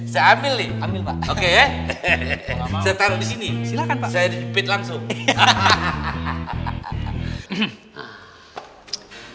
saya ambil nih ambil pak oke ya saya taruh disini silahkan pak saya dipit langsung hahaha